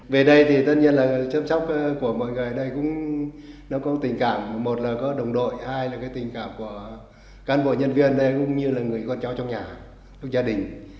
về đây thì tất nhiên là chăm sóc của mọi người ở đây cũng tình cảm một là có đồng đội hai là cái tình cảm của cán bộ nhân viên đây cũng như là người con cháu trong nhà trong gia đình